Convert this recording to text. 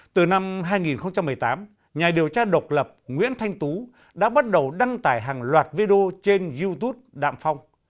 từ năm hai nghìn một mươi tám nhà điều tra độc lập nguyễn thanh tú đã bắt đầu đăng tải hàng loạt video trên youtube đạm phong